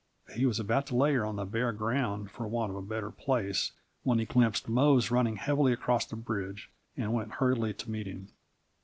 He was about to lay her on the bare ground, for want of a better place, when he glimpsed Mose running heavily across the bridge, and went hurriedly to meet him.